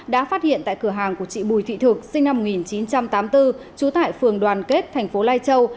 đã phát hiện tại cửa hàng của chị bùi thị thực sinh năm một nghìn chín trăm tám mươi bốn trú tại phường đoàn kết thành phố lai châu